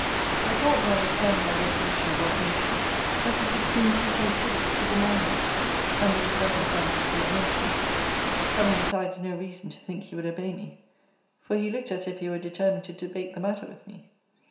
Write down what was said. I thought, notwithstanding my resolution above mentioned, that it would seem too punctilious to deny him, under the circumstances he had mentioned: having, besides, no reason to think he would obey me; for he looked as if he were determined to debate the matter with me.